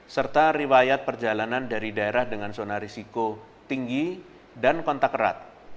serta riwayat perjalanan dari daerah dengan zona risiko tinggi dan kontak erat